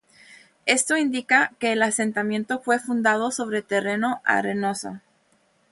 Esto indica que el asentamiento fue fundado sobre terreno arenoso.